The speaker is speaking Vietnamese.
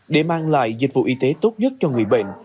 để mang lại dịch vụ y tế tốt nhất cho người bệnh